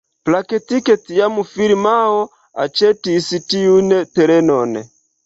Praktike tiam firmao aĉetis tiun terenon.